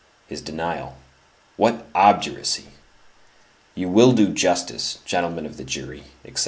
His denial. What obduracy! You will do justice, gentlemen of the jury, etc.